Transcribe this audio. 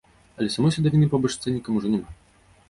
Але самой садавіны побач з цэннікам ужо няма!